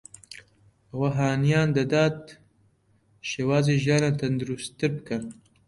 ئەوە هانیان دەدات شێوازی ژیانیان تەندروستانەتر بکەن